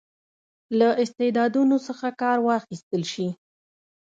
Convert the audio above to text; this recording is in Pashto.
له استعدادونو څخه کار واخیستل شي.